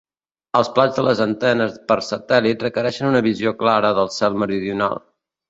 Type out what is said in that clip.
Els plats de les antenes per satèl·lit requereixen una visió clara del cel meridional.